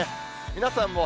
皆さんも＃